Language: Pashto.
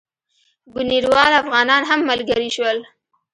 بُنیروال افغانان هم ملګري شول.